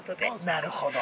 ◆なるほど。